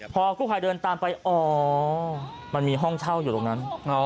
พอกู้ภัยเดินตามไปอ๋อมันมีห้องเช่าอยู่ตรงนั้น